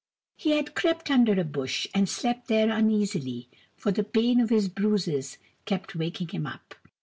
He had crept under a bush, and slept there uneasily, for the pain of his bruises kept waking him up.